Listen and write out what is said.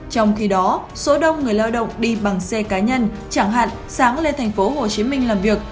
trong khi đó số đông người lao động đi bằng xe cá nhân chẳng hạn sáng lên tp hcm làm việc